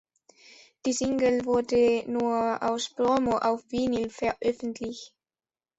Die Single wurde nur als Promo auf Vinyl veröffentlicht.